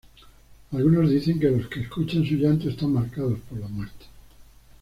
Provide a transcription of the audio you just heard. Algunos dicen que los que escuchan su llanto están marcados por la muerte.